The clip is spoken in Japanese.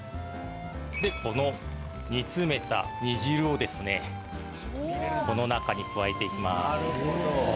でこの煮詰めた煮汁をこの中に加えて行きます。